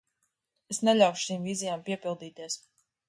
Es neļaušu šīm vīzijām piepildīties.